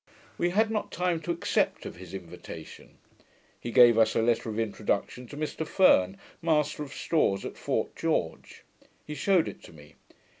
We had not time to accept of his invitation. He gave us a letter of introduction to Mr Ferne, master of stores at Fort George. He shewed it to me.